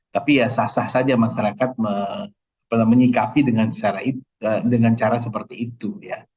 tapi ya sah sah saja masyarakat menyikapi dengan cara seperti itu ya